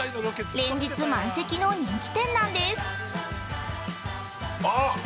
連日満席の人気店なんです。